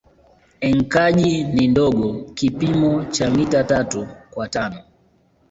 Enkaji ni ndogo kipimo cha mita tatu kwa tano